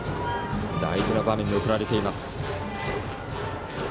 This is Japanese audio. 大事な場面に送られています。